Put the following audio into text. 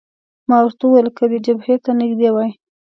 ما ورته وویل: که ته جبهې ته نږدې وای.